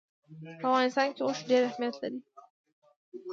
په افغانستان کې اوښ ډېر اهمیت لري.